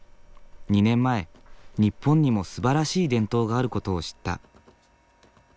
２年前日本にもすばらしい伝統があることを知った。